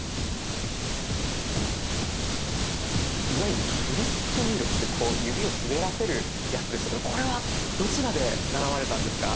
いわゆるフリック入力ってこう指を滑らせるやつでしたけれどこれはどちらで習われたんですか？